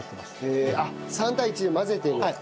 あっ３対１で混ぜてるんですか？